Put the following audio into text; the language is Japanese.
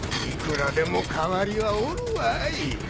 いくらでも代わりはおるわい。